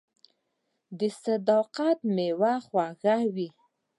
• د صداقت میوه خوږه وي.